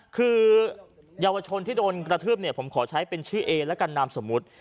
คือเยาวชนที่โดนกระทืบเนี่ยผมขอใช้เป็นชื่อเอแล้วกันนามสมมุติ